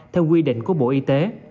theo quy định của bộ y tế